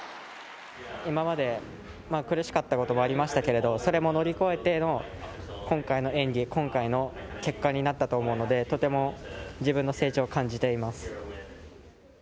今まで苦しかったこともありましたけれど、それも乗り越えての今回の演技、今回の結果になったと思うので、とても自分の成長を感じています。